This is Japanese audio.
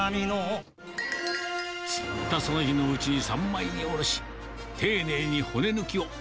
釣ったその日のうちに三枚におろし、丁寧に骨抜きを。